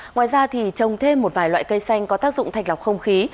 ngoài ra thì trồng thêm một vài loại cây xanh có tác dụng thạch lọc không khí